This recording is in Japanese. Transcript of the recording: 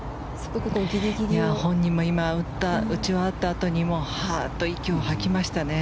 本人も打ち終わったあとにはあと息を吐きましたね。